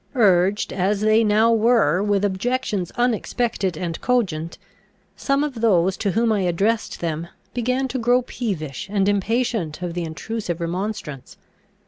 Urged, as they now were, with objections unexpected and cogent, some of those to whom I addressed them began to grow peevish and impatient of the intrusive remonstrance.